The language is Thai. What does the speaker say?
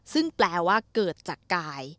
ซึ่งแปลว่าเกิดจากกาย